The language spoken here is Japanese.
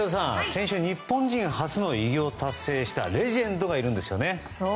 先週日本人初の偉業を達成したレジェンドがいるんですよね。